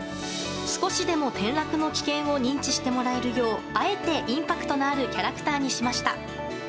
少しでも転落の危険を認知してもらえるようあえてインパクトのあるキャラクターにしました。